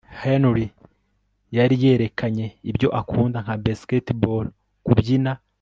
henry yari yerekanye ibyo akunda nka basketball, kubyina